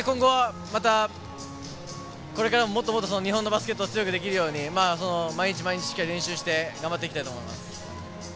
今後はまた、これからももっともっと日本のバスケットを強くできるように、毎日毎日しっかり練習して頑張っていきたいと思います。